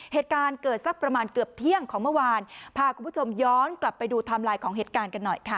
เหตุการณ์เกิดสักประมาณเกือบเที่ยงของเมื่อวานพาคุณผู้ชมย้อนกลับไปดูไทม์ไลน์ของเหตุการณ์กันหน่อยค่ะ